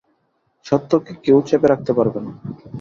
সত্যকে কেউ চেপে রাখতে পারবে না।